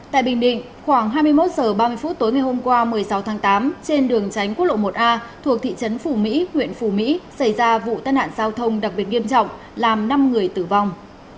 tại bình định khoảng hai mươi một h ba mươi phút tối ngày hôm qua một mươi sáu tháng tám trên đường tránh quốc lộ một a thuộc thị trấn phù mỹ huyện phù mỹ xảy ra vụ tai nạn giao thông đặc biệt nghiêm trọng làm năm người tử vong